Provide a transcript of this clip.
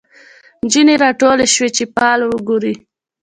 نجونې راټولي شوی چي فال وګوري